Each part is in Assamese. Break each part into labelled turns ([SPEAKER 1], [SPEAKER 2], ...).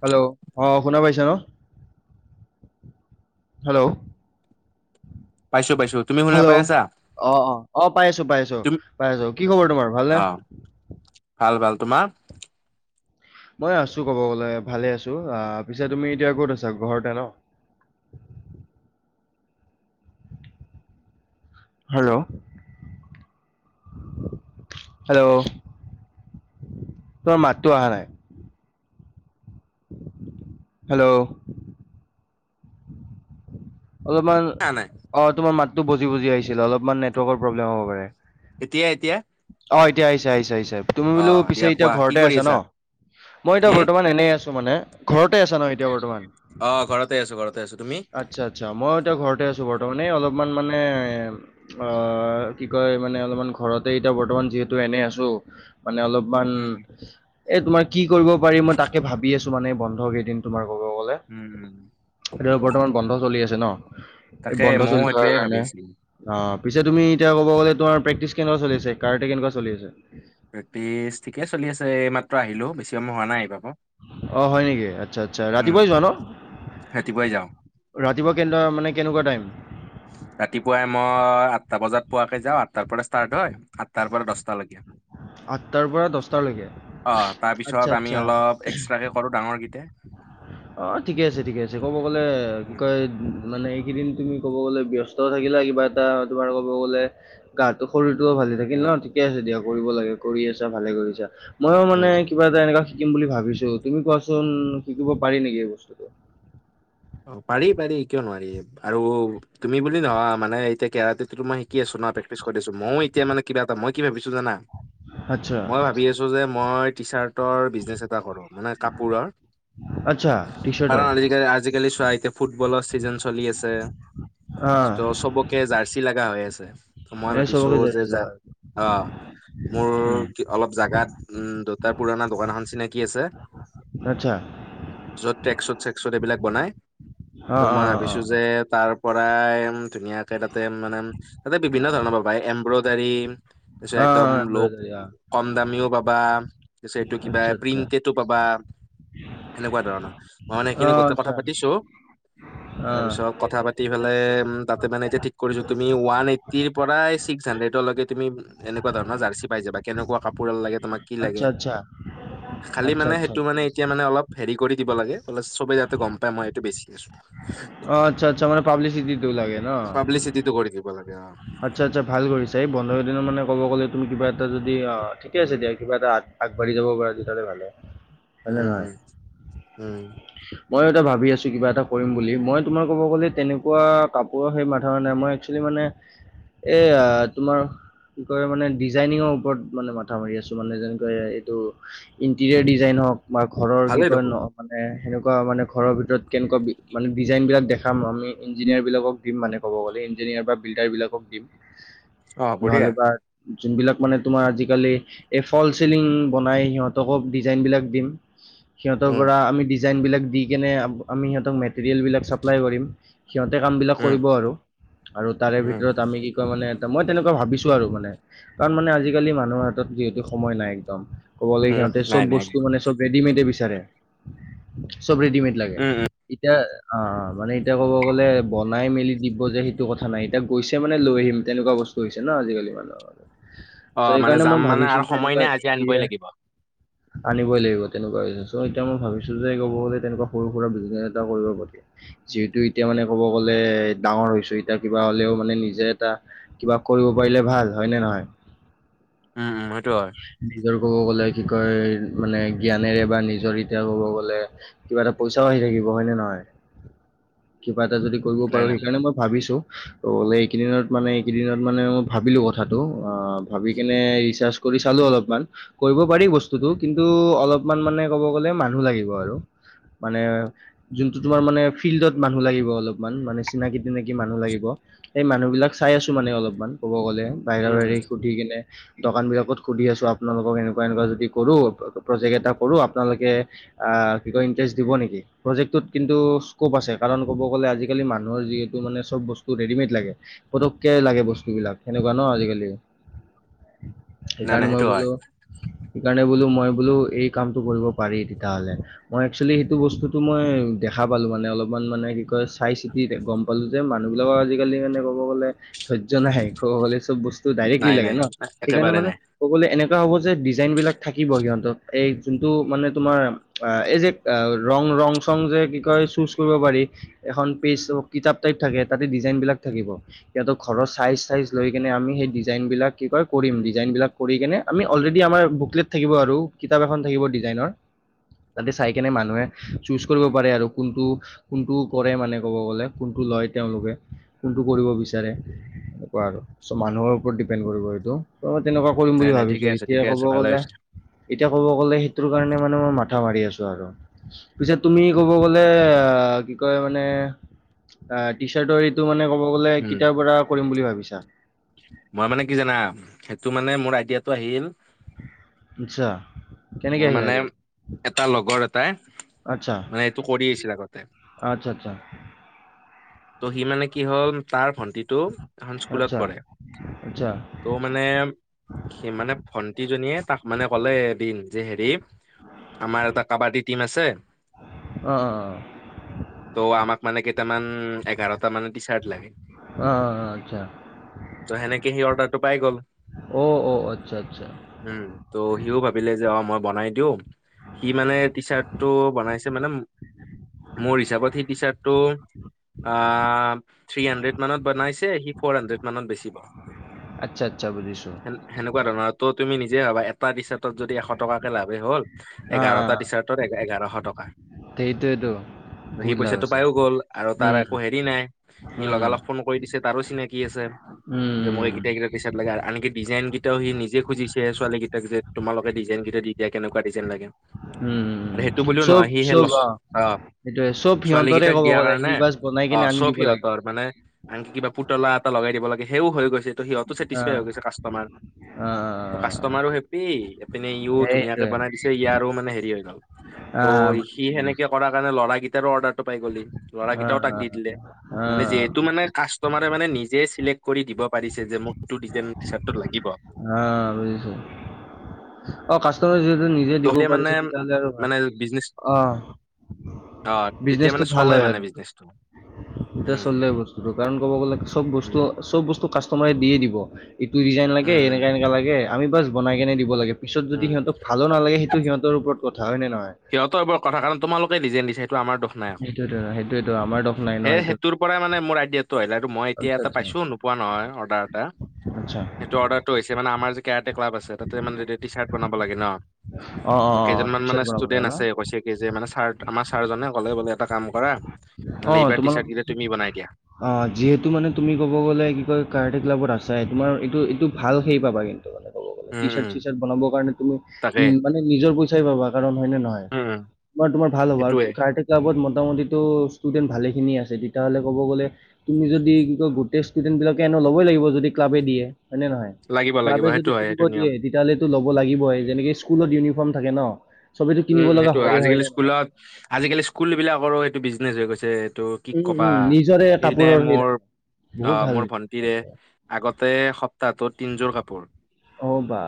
[SPEAKER 1] হেল্ল', অ' শুনা পাইছা ন। হেল্ল'।
[SPEAKER 2] পাইছো পাইছো। তুমি শুনা পাই
[SPEAKER 1] হেল্ল',
[SPEAKER 2] আছা
[SPEAKER 1] অ' অ', অ' পাই আছো, পাই আছো,
[SPEAKER 2] তুমি
[SPEAKER 1] পাই আছো কি খবৰ তোমাৰ ভালনে?
[SPEAKER 2] অ ভাল ভাল, তোমাৰ?
[SPEAKER 1] মই আছো ক'ব গ'লে ভালে আছো, আ পিছে তুমি এতিয়া ক'ত আছা ঘৰতে ন? হেল্ল'। হেল্ল' তোমাৰ মাতটো অহা নাই। হেল্ল'। অলপমান
[SPEAKER 2] [unintelligible] নাই
[SPEAKER 1] অ তোমাৰ মাতটো বজি বজি আহিছিল অলপমান নেটৱৰ্কৰ প্ৰব্লেম হ'ব পাৰে।
[SPEAKER 2] এতিয়া এতিয়া?
[SPEAKER 1] অ এতিয়া আহিছে আহিছে আহিছে, তুমি
[SPEAKER 2] অ
[SPEAKER 1] বোলো পিছে
[SPEAKER 2] দিয়া
[SPEAKER 1] এতিয়া
[SPEAKER 2] কোৱা কি
[SPEAKER 1] ঘৰতে
[SPEAKER 2] কৰি
[SPEAKER 1] আছা ন? মই
[SPEAKER 2] কি
[SPEAKER 1] এতিয়া বৰ্তমান এনেই আছোঁ মানে, ঘৰতে আছা ন এতিয়া বৰ্তমান?
[SPEAKER 2] অ ঘৰতে আছো ঘৰতে আছো, তুমি?
[SPEAKER 1] আচ্ছা আচ্ছা, মই এতিয়া ঘৰতে আছোঁ বৰ্তমান এই অলপমান মানে অ কি কয় মানে অলপমান ঘৰতে এতিয়া বৰ্তমান যিহেতু এনে আছো মানে অলপমান
[SPEAKER 2] উম
[SPEAKER 1] এ তোমাৰ কি কৰিব পাৰি মই তাকে ভাবি বি আছো মানে বন্ধকেইদিন তোমাৰ কব
[SPEAKER 2] উম উম।
[SPEAKER 1] এতিয়াটো বৰ্তমান বন্ধ চলি আছে ন, এই
[SPEAKER 2] তাকে
[SPEAKER 1] বন্ধ
[SPEAKER 2] ময়ো
[SPEAKER 1] চলি থকাৰ
[SPEAKER 2] সেইটোয়ে
[SPEAKER 1] কাৰণে
[SPEAKER 2] ভাবিছিলো
[SPEAKER 1] অ পিছে তুমি এতিয়া ক'ব গ'লে তোমাৰ প্ৰেক্টিচ কেনেকুৱা চলি আছে? কাৰাটে কেনেকুৱা চলি আছে?
[SPEAKER 2] প্ৰেক্টিচ ঠিকেই চলি আছে, এই মাত্ৰ আহিলো বেছি সময় হোৱা নাই আহি পাব।
[SPEAKER 1] অ হয় নেকি? আচ্ছা আচ্ছা
[SPEAKER 2] উম
[SPEAKER 1] ৰাতিপুৱাই যোৱা ন?
[SPEAKER 2] ৰাতিপুৱাই যাওঁ
[SPEAKER 1] ৰাতিপুৱা কেনদোৱা মানে কেনেকুৱা টাইম?
[SPEAKER 2] ৰাতিপুৱাই মই আঠটা বজাত পোৱাকে যাওঁ, আঠটাৰ পৰা ষ্টাৰ্ট হয় আঠটাৰ পৰা দছটা লৈকে।
[SPEAKER 1] পৰা
[SPEAKER 2] অ
[SPEAKER 1] আচ্ছা,
[SPEAKER 2] তাৰপিছত আমি
[SPEAKER 1] আচ্ছা।
[SPEAKER 2] অলপ এক্সট্ৰাকে কৰোঁ ডাঙৰ কেইটাই।
[SPEAKER 1] অ ঠিকে আছে ঠিকে আছে, ক'ব গ'লে কি
[SPEAKER 2] উম
[SPEAKER 1] কয় মানে এইকেইদিন তুমি ক'ব গলে ব্যস্তও থাকিলা কিবা এটা তোমাৰ ক'ব গ'লে গাটো শৰীৰটোও ভালে থাকিল
[SPEAKER 2] উম
[SPEAKER 1] ন, ঠিকে আছে দিয়া কৰিব লাগে কৰি আছা ভালে কৰিছা। ময়ো মানে
[SPEAKER 2] উম।
[SPEAKER 1] কিবা এটা এনেকুৱা শিকিম বুলি ভাবিছো, তুমি কোৱাচোন শিকিব পাৰি নেকি এই বস্তুটো?
[SPEAKER 2] অ পাৰি পাৰি কিয় নোৱাৰি আৰু তুমি বুলি নহয় মানে এতিয়া কেৰাটেটো মই শিকি আছো ন, প্ৰক্টিচ কৰিছো, মইও এতিয়া মানে কিবা এটা, মই কি ভাবিছো জানা? [inaudible]
[SPEAKER 1] আচ্ছা।
[SPEAKER 2] মই ভাবি আছোঁ যে মই টি চাৰ্টৰ বিজনেছ এটা কৰোঁ মানে কাপোৰৰ।
[SPEAKER 1] আচ্ছা টি
[SPEAKER 2] কাৰণ
[SPEAKER 1] চাৰ্টৰ
[SPEAKER 2] আজি আজিকালি চোৱা এতিয়া ফুটবলৰ ছিজন চলি আছে
[SPEAKER 1] অঁ
[SPEAKER 2] ত' চবকে জাৰ্চি লগা হৈ আছে ত মই
[SPEAKER 1] এই
[SPEAKER 2] ভাবিছো
[SPEAKER 1] চবকে
[SPEAKER 2] যে
[SPEAKER 1] জাৰ্চি
[SPEAKER 2] যা
[SPEAKER 1] লগা
[SPEAKER 2] অ। মোৰ অলপ জাগাত উম দুটা পুৰণা দোকান এখন চিনাকি আছে
[SPEAKER 1] আচ্ছা।
[SPEAKER 2] য'ত ট্ৰেক চুত চেক চুট এইবিলাক বনাই,
[SPEAKER 1] অঁ
[SPEAKER 2] ত'
[SPEAKER 1] অঁ
[SPEAKER 2] মই
[SPEAKER 1] অঁ অঁ
[SPEAKER 2] ভাবিছো যে তাৰ পৰাই ধুনীয়াকে তাতে মানে তাতে বিভিন্ন ধৰণৰ পায় এম্ব্ৰইডাৰী তাৰপিছত
[SPEAKER 1] অঁ অঁ
[SPEAKER 2] একদম লক
[SPEAKER 1] এমব্ৰইডাৰী অঁ
[SPEAKER 2] কম দামিও পাবা পিছে এইটো কিবা
[SPEAKER 1] আচ্ছা আচ্ছা
[SPEAKER 2] প্ৰিণ্টেডতো পাবা। সেনেকুৱা ধৰণৰ মই মানে সেইখিনি
[SPEAKER 1] অঁ
[SPEAKER 2] গোতেই
[SPEAKER 1] আচ্ছা
[SPEAKER 2] কথা পাতিছো,
[SPEAKER 1] অঁ
[SPEAKER 2] তাৰপিছত কথা পাতি পেলাই উ তাতে মানে এতিয়া ঠিক কৰিছো তুমি ওৱান এইটিৰ পৰাই ছিক্স হাড্ৰেডৰ লেকে তুমি এনেকুৱা ধৰণ জাৰ্চি পাই যাবা, কেনকুৱা কাপোৰ লাগে তোমাক কি লাগে,
[SPEAKER 1] আচ্ছা আচ্ছা
[SPEAKER 2] খালি
[SPEAKER 1] আচ্ছা
[SPEAKER 2] মানে
[SPEAKER 1] আচ্ছা
[SPEAKER 2] সেইটো মানে
[SPEAKER 1] ঠিক আছে
[SPEAKER 2] এতিয়া মানে অলপ হেৰি কৰি দিব লাগে, ব'লে চবে যাতে গম পায় মই এইটো বেছি আছো।
[SPEAKER 1] অ', আচ্ছা আচ্ছা, মানে পাবলিচিটি তো লাগে ন।
[SPEAKER 2] পাবলিচিটিতো কৰি দিব লাগে অ'।
[SPEAKER 1] আচ্ছা আচ্ছা, ভাল কৰিছা, এই বন্ধৰ দ দিনৰ মানে ক'ব গ'লে তুমি কিবা এটা দি অ' ঠিকে আছে
[SPEAKER 2] উম
[SPEAKER 1] দিয়া কিবা এটা আগবাঢ়ি যাব প তে তেতিয়া হ'লে ভালে।
[SPEAKER 2] উম, উ উম।
[SPEAKER 1] মইো এটা ভাবি আছো কিবা এটা কৰিম বুলি, মই তোমাৰ ক'ব গ'লে তেনেকুৱা কাপোৰৰ সেই মাথা মাৰা নাই, মই একচুৱেলি মানে, এ তোমাৰ কি কয় মানে ডিজাইনিঙৰ ওপৰত মানে মাথা মাৰি আছো, মানে যেনেকে এইটো ইণ্টেৰিয়াৰ ডিজাইন হওঁক বা ঘৰৰ কি
[SPEAKER 2] ভালেই
[SPEAKER 1] কয়
[SPEAKER 2] দেখোন
[SPEAKER 1] মানে সেনেকুৱা মানে ঘৰ ভিতৰত কেনেকুৱা মানে, ডিজাইনবিলাক দেখাম আমি ইঞ্জিনিয়াৰ বিলাকক। দিম মানে ক'ব গ'লে ইঞ্জিনিয়াৰ বা বিল্ডাৰ বিলাকক দিম।
[SPEAKER 2] [inaudible] বঢ়িয়া
[SPEAKER 1] নহলে বা, যোন বিলাক মানে তোমাৰ আজিকালি এই ফল চিলিং বনাই সিহঁতকো ডিজাইন বিলাক দিম। সিহঁতৰ
[SPEAKER 2] উম
[SPEAKER 1] পৰা আমি ডিজাইন বিলাক দি কেনে আমি সিহঁতক মেটেৰিয়েল বিলাক চাপ্লাই কৰিম। সিহঁতে কাম বিলাক
[SPEAKER 2] উম
[SPEAKER 1] কৰিব আৰু, আৰু তাৰে
[SPEAKER 2] উম
[SPEAKER 1] ভিতৰত আমি মানে এ মই তেনেকুৱা ভাবিছো আৰু মানে, কাৰণ মানে আজিকালি মানুহৰ হাতত যিহেতু সময় নাই একদম। ক'ব লাগে
[SPEAKER 2] উম
[SPEAKER 1] সিহঁতে চব
[SPEAKER 2] নাই নাই
[SPEAKER 1] বস্তু মানে চব ৰেডিমেডে বিচাৰে, চব ৰেডিমেড লাগে।
[SPEAKER 2] উম উম
[SPEAKER 1] এতিয়া অ', মানে এতিয়া ক'ব গ'লে বনাই মেলি দিব যে সেইটো কথা নাই এতিয়া কৈছে মানে লৈ আহিম। তেনেকুৱা ৱস্তু হৈছে ন আজালি মানে।
[SPEAKER 2] অ', মানে যাম মানে আৰু
[SPEAKER 1] যে
[SPEAKER 2] সময়
[SPEAKER 1] এনেকুৱা
[SPEAKER 2] নাই আজি আনিবই
[SPEAKER 1] ইণ্টেৰিয়াৰ
[SPEAKER 2] লাগিব।
[SPEAKER 1] আনিবই লাগিব তেনেকুৱা হৈছে চ' এতিয়া মই ভাবিছো ব গ'লে তেনেকুৱা সৰু সুৰা বিজনেছ এটা কৰিব পাৰি। যিহেতু এতিয়া মানে কব গ'লে, ডাঙৰ হৈছো, এতিয়া কিবা হলেও মানে নিজে এটা কিবা কৰিব পাৰিলে ভাল হয়নে নহয়?
[SPEAKER 2] উম উম সেইটো হয়।
[SPEAKER 1] নিজৰ ক'ব গ'লে কি কয় মানে, জ্ঞানেৰে বা নিজৰ এতিয়া ক'ব গ'লে কিবা এটা পইচাও আহি থাকিব হয় নে নহয়, কিবা এটা যদি কৰিব
[SPEAKER 2] নাই
[SPEAKER 1] পাৰো
[SPEAKER 2] নাই
[SPEAKER 1] সেইকাৰণে মই ভাবিছো। ত বোলে এইকেইদিনত মানে এইকেইদিনত মানে ম ভাবিলো কথাটো, অ' ভাবি কিনে কৰি চালো অলপমান, কৰিব পাৰি বস্তুতটো কিন্তু অলপমান মানে ক'ব গ'লে মানুহ লাগি ব আৰু মানে যোনটো তোমাৰ মানে ফিল্ডত মানুহ লাগিব অলপমান মানে চিনাকি তিনাকি মানুহ লাগিব। সেই মানুহ বিলাক চাই আছো মানে অলপমান ক'ব গ'লে বাহিৰা
[SPEAKER 2] উম
[SPEAKER 1] বাহিৰে
[SPEAKER 2] উম
[SPEAKER 1] সুধি কিনে। দোকান বিলাকত সুধি আছো, আপোনালোকক এনেকুৱা এনেকুৱা যদি কৰো প্ৰজেক্ট এটা কৰো আপোনালোকে কি কয় ইণ্টাৰেষ্ট দিব নেকি, প্ৰজেক্টটোত কিন্তু স্ক'প আছে কাৰণ ক'ব গ'লে আজিকালি মানুহৰ যি মানে চব বস্তু ৰেডিমেড লাগে, পটকে লাগে, বস্তুবিলাক সেনেকুৱা ন', আজিকালি।
[SPEAKER 2] [inaudible] নাই
[SPEAKER 1] সেইকাৰণে
[SPEAKER 2] নাই
[SPEAKER 1] মই
[SPEAKER 2] সেইটো হয়
[SPEAKER 1] বোলো, সেইকাৰণে বোলো মই বোলো এই কামতটো কৰিব পাৰি। তাহালে। মই একচুৱেলি সেইটো বস্তুতটো মই দেখা পালো মানে অলপমান মানে কি কয় চাই চিতি গম কলো যে মানুহবিলাকৰ আজিকালি ক'ব গ'লে ধৈৰ্য নাহে ক'ব গ'লে চব বস্তু ডাইৰেক্টলি
[SPEAKER 2] নাই
[SPEAKER 1] লাগে
[SPEAKER 2] নাই
[SPEAKER 1] ন, সেইকাৰণে
[SPEAKER 2] একেবাৰে
[SPEAKER 1] মানে
[SPEAKER 2] নাই
[SPEAKER 1] ক'বলে এনেকুৱা হব যে ডিজাইন বিলাক থাকিব সিহঁত এই যোনটো মানে তোমাৰ আ, এই যে ৰং - ৰং, চং যে কি কয় চুজ কৰিব পাৰি এখন পেজ কিতাপ টাইপ থাকে তাতে ডিজাইন বিলাক থাকিব। সিহঁতক ঘৰৰ চাইজ চাইজ লৈ কিনে আমি সেই ডিজাইন বিলাক কি কয় কৰিম ডিজাইন বিলাক কৰি কেনে আমি অলৰেডি আমাৰ বুকলেট থাকিব আৰু কিতাপ এখন থাকিব ডিজাইনৰ। তাতে চাই কেনে মানুহে চুজ কৰিব পাৰে আৰু কোনটো কোনটো কৰে মানে ক'ব গ'লে কোনটো লয় তেওঁলোকে। কোনটো কৰিব বিচাৰে এনেকুৱা আৰু চ' মানুহৰ ওপৰত ডিপেণ্ড কৰিব সেইটো। তেনেকুৱা কৰিম
[SPEAKER 2] নাই
[SPEAKER 1] বুলি
[SPEAKER 2] নাই
[SPEAKER 1] ভাবিছো
[SPEAKER 2] ঠিকে আছে
[SPEAKER 1] এতিয়া
[SPEAKER 2] ঠিকে
[SPEAKER 1] কব
[SPEAKER 2] আছে ভালে
[SPEAKER 1] গলে
[SPEAKER 2] হৈছে
[SPEAKER 1] এতিয়া কব গ'লে সেইটোৰ কাৰণে মানে মই মাথা মাৰি আছো আৰু। পিছত তুমি ক'ব গ'লে আ, কি কয় মানে আ টি চাৰ্ট টো মানে ক'ব গ'লে
[SPEAKER 2] উম
[SPEAKER 1] কেতিয়া পৰা কৰিম বুলি ভাবিছা?
[SPEAKER 2] মই মানে কি জানা সেইটো মানে মোৰ আইডিয়াটো আহিল
[SPEAKER 1] অচ্ছা কেনেকে
[SPEAKER 2] মোৰ
[SPEAKER 1] আহিল
[SPEAKER 2] মানে
[SPEAKER 1] আইডিয়া?
[SPEAKER 2] এটা লগৰ এটাই মানে এইটো কৰি আছিল আগতে।
[SPEAKER 1] আচ্ছা আচ্ছা।
[SPEAKER 2] ত' সি মানে কি হ'ল তাৰ ভন্টিটো এখন স্কুলত
[SPEAKER 1] আচ্ছা,
[SPEAKER 2] পঢ়ে।
[SPEAKER 1] আচ্ছা।
[SPEAKER 2] ত' মানে সি মানে ভন্টিজনীয়ে তাক মানে ক'লে এদিন যে হেৰি আমাৰ এটা কাবাডী টিম আছে।
[SPEAKER 1] অ', অ',
[SPEAKER 2] ত' আমাক মানে কেইটামান এঘাৰটা মান টিশ্বাৰ্ট লগে
[SPEAKER 1] অ', অ', অ', আচ্ছা।
[SPEAKER 2] ত' সেনেকে সি অৰ্ডাৰটো পাই গ'ল।
[SPEAKER 1] অ', অ', আচ্ছা আচ্ছা।
[SPEAKER 2] উম, ত' সিও ভাবিলে যে অ মই বনাই দিও সি মানে টিশ্বাৰ্টতো বনাইছে মানে মোৰ হিচাপত সি টিশ্বাৰ্টতো আ, থ্ৰী হাড্ৰেড মানত বনাইছে সি ফ'ৰ হাড্ৰেড মানত বেছি
[SPEAKER 1] আচ্ছা আচ্ছা বুজিছোঁ।
[SPEAKER 2] সেনেকুৱা ধৰণৰ ত' তুমি নিজে ভাবা এটা টিশ্বাৰ্টত যদি এশ টকা কে লভেই হ'ল এঘাৰটা টিশ্বাৰ্ট এঘাৰশ টকা।
[SPEAKER 1] সেইটোৱেইটো।
[SPEAKER 2] সি পইচাটো পাইও গ'ল আৰু তাৰ একো হেৰি নাই সি
[SPEAKER 1] উম,
[SPEAKER 2] লগালগ ফোন কৈ দিছে তাৰো চিনাকি আছে
[SPEAKER 1] উম,
[SPEAKER 2] যে মই এইগিতা
[SPEAKER 1] উম,
[SPEAKER 2] এইগিতা টিশ্বাৰ্ট লাগে আনকি ডিজাইন কেইটাও সি নিজে খুজিছে ছোৱালকেইটাক যে তোমালোকে ডিজাইন দি দিয়া কেনেকুৱা ডিজাইন লাগে
[SPEAKER 1] উম,
[SPEAKER 2] আৰু
[SPEAKER 1] উম।
[SPEAKER 2] সেইটো বুলিও
[SPEAKER 1] চব
[SPEAKER 2] নহয় সি সেই
[SPEAKER 1] চব
[SPEAKER 2] অ
[SPEAKER 1] সেইটোৱে চব
[SPEAKER 2] ছোৱালী
[SPEAKER 1] সিহঁতৰে
[SPEAKER 2] কেইটাক
[SPEAKER 1] ক'ব
[SPEAKER 2] দিয়াৰ
[SPEAKER 1] গ'লে, সি
[SPEAKER 2] কাৰণে
[SPEAKER 1] বাচ বনাই কিনে
[SPEAKER 2] অ',
[SPEAKER 1] আনি
[SPEAKER 2] চব
[SPEAKER 1] দিব লাগে।
[SPEAKER 2] সিহঁতৰ মানে আনকি কিবা পুতলা এটা লগাই দিব লাগে সেও হৈ গৈছে ত' সিহতো
[SPEAKER 1] অ',
[SPEAKER 2] চছেটিছফাই
[SPEAKER 1] অ',
[SPEAKER 2] হৈ গৈছে কাষ্টমাৰ
[SPEAKER 1] অ', অ,
[SPEAKER 2] ত' কাষ্টমাৰো হেপ্পী এপিনে ইউ তাতে
[SPEAKER 1] সেইটোৱে।
[SPEAKER 2] বনাই দিচে ইয়াৰো মনে হৰি হৈ গ'ল ত'
[SPEAKER 1] অ',
[SPEAKER 2] সি
[SPEAKER 1] বুজিছোঁ,
[SPEAKER 2] হেনেকে
[SPEAKER 1] বুজিছোঁ।
[SPEAKER 2] কৰা কাৰণে লৰা গীতাৰো অৰ্ডাৰ পাই গল সি লৰা গীতাও
[SPEAKER 1] অ',
[SPEAKER 2] তাক দি দিলে
[SPEAKER 1] অ',
[SPEAKER 2] মানে যিহেতো
[SPEAKER 1] অ',
[SPEAKER 2] মনে কাচ কষ্টমাৰে মানে নিজেই চিলেক্ট কৰি দিব পাৰিছে যে মোক এইটো ডিজাইন টিশ্বাৰ্টতো লাগিব
[SPEAKER 1] অ', বুজিছোঁ। অ', কাষ্টমাৰ যিহেতু নিজে দিব
[SPEAKER 2] তহলে মানে
[SPEAKER 1] পাৰিছে তেতিয়া হ'লে আৰু ভাল
[SPEAKER 2] মানে বিজনেচ
[SPEAKER 1] অ'
[SPEAKER 2] অ', তেতিয়া মানে চলে মানে বিজনেচটো।
[SPEAKER 1] এতিয়া
[SPEAKER 2] উম
[SPEAKER 1] চলে বস্তুটো কাৰণ ক'ব গ'লে চব বস্তু,
[SPEAKER 2] উম
[SPEAKER 1] চব বস্তু কাষ্টমাৰে দিয়েই দিব। এইটো ডিজাইন লাগে
[SPEAKER 2] উম উম
[SPEAKER 1] এনেকা এনেকা লাগে আমি বচ বনাই কেনে দিব লাগে পিছত যদি
[SPEAKER 2] উম
[SPEAKER 1] সিহঁতক ভাল নালাগে সেইটো সিহঁতৰ ওপৰত কথা হয় নে নহয়?
[SPEAKER 2] সিহঁতৰ বোৰৰ কথা কাৰ তোমালোকে নিজে নিজে এইটো আমাৰ নাই আকৌ
[SPEAKER 1] সেইটোয়েটো সেইটোয়ে ত' আমাৰ দম নাই ন
[SPEAKER 2] সেই
[SPEAKER 1] এইটো।
[SPEAKER 2] সেইটোৰ পৰাই মানে মোৰ আইডিয়াটো আহিলে আৰু মই এতিয়া
[SPEAKER 1] আচ্ছা
[SPEAKER 2] এটা
[SPEAKER 1] আচ্ছা
[SPEAKER 2] পাইছো নোপোৱা নহয় অৰ্ডাৰ এটা।
[SPEAKER 1] আচ্ছা
[SPEAKER 2] সেইটো অৰ্ডাৰটো হৈছে মানে আমাৰ যে কেৰাটে ক্লাব আছে তাতে মানে টি চাৰ্ট বনাব লাগে ন।
[SPEAKER 1] অঁ অঁ অঁ টি চাৰ্ট বনাব
[SPEAKER 2] ষ্টুডেণ্ট
[SPEAKER 1] লাগে ন?
[SPEAKER 2] আছে কৈছে কি যে মানে চাৰ্ট আমাৰ ছাৰজনে ক'লে বোলে এটা কাম কৰা নহলে এইবাৰ টি চাৰ্ট কেইটা তুমি বনাই দিয়া।
[SPEAKER 1] অঁ যিহেতু মানে তুমি ক'ব গ'লে কি কয় কাৰাটে ক্লাবত আছাই তোমাৰ এইটো এইটো ভাল হেৰি পাবা কিন্তু মানে। কব গলে T
[SPEAKER 2] um
[SPEAKER 1] shirt
[SPEAKER 2] um
[SPEAKER 1] C shirt বনাব কাৰণে তুমি
[SPEAKER 2] তাকে
[SPEAKER 1] উম মানে নিজৰ পইচাই পাবা কাৰণ হয় নে নহয়।
[SPEAKER 2] উম উম
[SPEAKER 1] মানে তোমাৰ ভাল হ'ব, আৰু
[SPEAKER 2] সেইটোৱে
[SPEAKER 1] কাৰাটে ক্লাবত মোটামুটি টো ভালে খিনি আছে তেতিয়াহলে ক'ব গ'লে তুমি যদি গোটেই ষ্টুডেন্ট বিলাক এনেও লবই লাগিব যদি ক্লাবে দিয়ে, হয় নে নহয়?
[SPEAKER 2] লাগিব লাগিব
[SPEAKER 1] ক্লাবে যদি
[SPEAKER 2] সেইটো হয়
[SPEAKER 1] পিন্ধিব
[SPEAKER 2] সেইটো
[SPEAKER 1] দিয়ে
[SPEAKER 2] নিয়ম
[SPEAKER 1] তেতিয়াহলেটো ল'ব লাগিবই যেনেকে স্কুলত ইউনিফৰ্ম থাকে ন, চবেতো কিনিব লগা হয়য়ে হয় নে নহয়?
[SPEAKER 2] লাক আজিকালি স্কুল বিলাকৰো এইটো বিজনেচ হৈ গৈছে এইটো। কি
[SPEAKER 1] উম
[SPEAKER 2] কবা
[SPEAKER 1] উম নিজৰে
[SPEAKER 2] সেইদিনাই
[SPEAKER 1] কাপোৰৰ সেই
[SPEAKER 2] মোৰ
[SPEAKER 1] থাকে, বহুত
[SPEAKER 2] আহ
[SPEAKER 1] ভাল
[SPEAKER 2] মোৰ ভন্টিৰে আগতে সপ্তাহটোত তিনযোৰ কাপোৰ
[SPEAKER 1] অ বা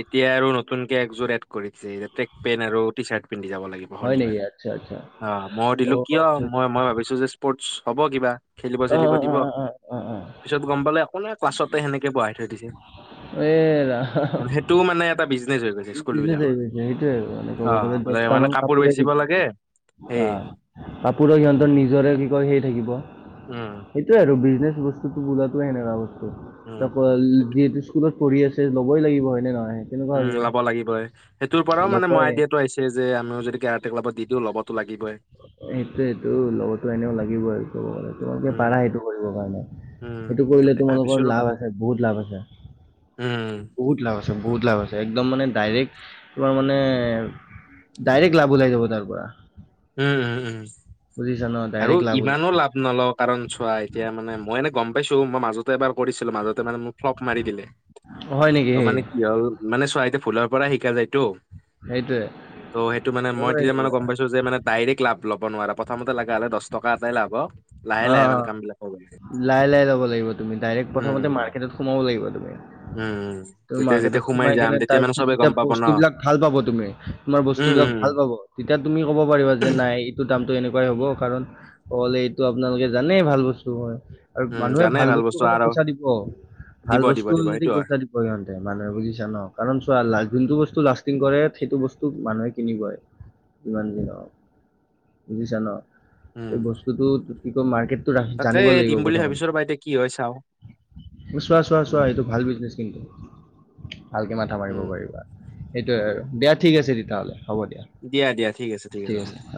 [SPEAKER 2] এতিয়া আৰু নতুন কে একযোৰ এড কৰি দিছে, ট্ৰেক পেণ্ট আৰু টি চাৰ্ট পিন্ধি যাব লাগিব।
[SPEAKER 1] হয় নেকি?
[SPEAKER 2] শনিবাৰে
[SPEAKER 1] আচ্ছা, আচ্ছা।
[SPEAKER 2] অ' মই সুধিলোঁ
[SPEAKER 1] অ'
[SPEAKER 2] কিয়
[SPEAKER 1] আচ্ছা, আচ্ছা।
[SPEAKER 2] মই মই ভাবিছো যে স্পৰ্টছ হ'ব কিবা খেলিব চেলিব দিব।
[SPEAKER 1] আঁ আঁ।
[SPEAKER 2] পিছত গম পালে একো নাই ক্লাছতে সেনেকে বাহাই থৈ দিছে।
[SPEAKER 1] এই ৰাম
[SPEAKER 2] টো মানে এটা বিজনেচ হৈ গৈছে স্কুল
[SPEAKER 1] বিজনেছ
[SPEAKER 2] বিলাকত।
[SPEAKER 1] আহি গৈছে সেইটোৱে আৰু মানে ক'ব গ'লে দহটা মান কাপোৰে
[SPEAKER 2] বেচিব
[SPEAKER 1] দিব
[SPEAKER 2] লাগে
[SPEAKER 1] আৰু।
[SPEAKER 2] সেই
[SPEAKER 1] অঁহ কাপোৰো সিহঁতৰ নিজৰে কি কয় হেৰি থাকিব
[SPEAKER 2] উম,
[SPEAKER 1] সেইটোৱে আৰু বিজনেচ বস্তুটো বোলাটোৱে এনেকা বস্তু
[SPEAKER 2] উম।
[SPEAKER 1] ত' যিহেতু স্কুলত পঢ়ি আছে লবই লাগিব হয় নে নহয়? তেনেকুৱা হৈ
[SPEAKER 2] উম
[SPEAKER 1] যায়।
[SPEAKER 2] লব লাগিবই সেইটোৰ পৰাও মানে মই
[SPEAKER 1] ল'বয়ে।
[SPEAKER 2] আইদিয়াটো আহি ছে যে আমিও যদি কেৰাটে ক্লাবত দি দিওঁ লবতো লাগিবই।
[SPEAKER 1] সেইটোৱেটো লবটো এনেও লাগিব আৰু তোমালোকে
[SPEAKER 2] উম,
[SPEAKER 1] পাৰা সেইটো কৰিবৰ কাৰণে,
[SPEAKER 2] উম,
[SPEAKER 1] সেইটো কৰিলে
[SPEAKER 2] তাকে ভাবিছো
[SPEAKER 1] তোমালোকৰ লাভ আছে বহুত লাভ আছে।
[SPEAKER 2] উম উম।
[SPEAKER 1] বহুত লাভ বহুত লাভ আছে একম মানে ডাইক্ট তোমাৰ মানে ডাইৰেক্ট লাভ ওলাই যাব তাৰ পৰা।
[SPEAKER 2] উম উম উম,
[SPEAKER 1] বুজিছা ন
[SPEAKER 2] আৰু
[SPEAKER 1] ডাইৰেক্ট লাভ ওলাই
[SPEAKER 2] ইমানো
[SPEAKER 1] যাব
[SPEAKER 2] লাভ নলওঁ কাৰণ চোৱা এতিয়া মানে মই এনে গম পাইছো মই মাজতে এবাৰ কৰিছিলো মাজতে মানে মোক ফ্লপ মাৰি দিলে।
[SPEAKER 1] হয় নেকি
[SPEAKER 2] ত'
[SPEAKER 1] সেই
[SPEAKER 2] মানে কি হল মানে চোৱা এতিয়া ভুলৰ পৰা শিকা যায়তো।
[SPEAKER 1] সেইটোৱে
[SPEAKER 2] ত' সেইটো মানে
[SPEAKER 1] ল'ব
[SPEAKER 2] মই তেতিয়া মানে
[SPEAKER 1] আহিবা
[SPEAKER 2] গম পাইছো যে মানে ডাইৰেক্ট লাভ ল'ব নোৱাৰা প্ৰথমতে লগা হ'লে দহ টকা এটাই লাভ হওক লাহে
[SPEAKER 1] অ'
[SPEAKER 2] লাহে
[SPEAKER 1] অঁ,
[SPEAKER 2] মানে কাম বিলাক কৰিব লাগে।
[SPEAKER 1] লাহে লাহে লব লাগিব তুমি ডাইৰেক্ট
[SPEAKER 2] উম,
[SPEAKER 1] প্ৰথমতে
[SPEAKER 2] উম,
[SPEAKER 1] মাৰ্কেটত সোমাব লাগিব তুমি।
[SPEAKER 2] উম, উম,
[SPEAKER 1] তুমি
[SPEAKER 2] তেতিয়া
[SPEAKER 1] মাৰ্কেটত
[SPEAKER 2] যেতিয়া
[SPEAKER 1] সোমাই
[SPEAKER 2] যাম
[SPEAKER 1] কেনে
[SPEAKER 2] তেতিয়া
[SPEAKER 1] তাৰ
[SPEAKER 2] মানে
[SPEAKER 1] পিছত
[SPEAKER 2] চবে
[SPEAKER 1] যেতিয়া
[SPEAKER 2] গম পাব ন।
[SPEAKER 1] বস্তু বিলাক ভাল পাব তুমি তোমাৰ বস্তু
[SPEAKER 2] উম,
[SPEAKER 1] বিলাক
[SPEAKER 2] উম।
[SPEAKER 1] ভাল পাব তেতিয়া তুমি ক'ব পাৰিবা যে নাই এইটো দামটো এনেকুৱাই হ'ব কাৰণ অলে এইটো আপোনালোকে জানেই ভাল বস্তু হয়। আৰু
[SPEAKER 2] উম,
[SPEAKER 1] মানুহে
[SPEAKER 2] জানে
[SPEAKER 1] ভাল বস্তু কাৰণে
[SPEAKER 2] আৰু
[SPEAKER 1] পইচা দিব। ভাল
[SPEAKER 2] দিব দিব
[SPEAKER 1] বস্তু
[SPEAKER 2] দিব
[SPEAKER 1] যদি
[SPEAKER 2] সেইটো হয়।
[SPEAKER 1] পইচা দিব ইহঁতে মানুহে বুজিছা ন কাৰণ চোৱা যোনটো
[SPEAKER 2] উম,
[SPEAKER 1] বস্তু লা ষ্টিং কৰে সেইটো বস্তু মানুহে কিনিবই যিমান যি নহওঁক বুজিছা ন?
[SPEAKER 2] উম,
[SPEAKER 1] এই বস্তুটো কি কয় মাৰ্কেটটো ৰাখি
[SPEAKER 2] তাকে
[SPEAKER 1] জানিব
[SPEAKER 2] দিম
[SPEAKER 1] লাগিব
[SPEAKER 2] বুলি ভাবিছো
[SPEAKER 1] প্ৰথমতে।
[SPEAKER 2] ৰ'বা এতিয়া কি হয় চাওঁ
[SPEAKER 1] চোৱা চোৱা চোৱা
[SPEAKER 2] উম,
[SPEAKER 1] সেইটো ভাল বিজনেচ কিন্তু ভালকে মাথা মাৰিব
[SPEAKER 2] উম,
[SPEAKER 1] পাৰিবা। সেইটোয়ে দিয়া ঠিক আছে তেতিয়াহ'লে হ'ব দিয়া।
[SPEAKER 2] দিয়া দিয়া ঠিক আছে ঠিক আছে হব দিয়া।